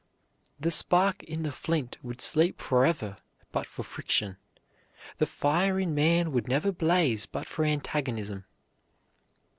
The spark in the flint would sleep forever but for friction; the fire in man would never blaze but for antagonism.